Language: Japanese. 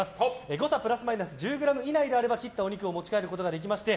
誤差プラスマイナス１０ｇ以内であれば切ったお肉を持ち帰ることができまして